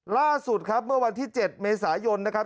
ล่าสุดครับเมื่อวันที่๗เมษายนนะครับ